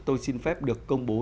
tôi xin phép được công bố